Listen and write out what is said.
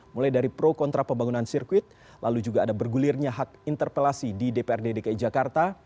mulai dari pro kontra pembangunan sirkuit lalu juga ada bergulirnya hak interpelasi di dprd dki jakarta